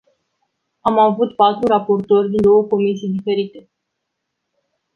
Am avut patru raportori din două comisii diferite.